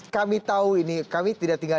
kami tahu ini kami tidak tinggal